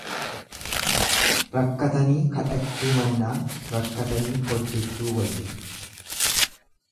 Rakkatanii kadhachuu mannaa rakkatanii hojjechuu wayya.